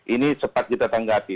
ini cepat kita tanggapi